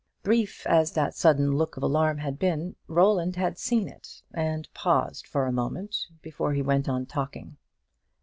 Brief as that sudden look of alarm had been, Roland had seen it, and paused for a moment before he went on talking.